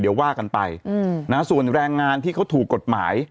เดี๋ยวว่ากันไปส่วนแรงงานที่เขาถูกกฎหมาย